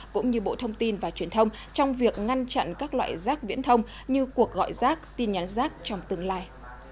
cũng như bộ thông tin và truyền thông trong việc ngăn chặn các loại rác viễn thông như cuộc gọi rác tin nhắn rác trong tương lai